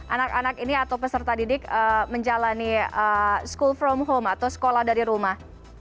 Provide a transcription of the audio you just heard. anak anak ini atau peserta didik menjalani school from home atau sekolah dari rumah